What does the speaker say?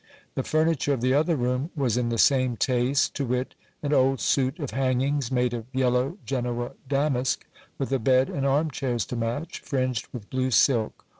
The furniture of the other room was in the same taste ; to wit, an old suit of hangings, made of yellow Genoa damask, with a bed and arm chairs to match, fringed with blue silk.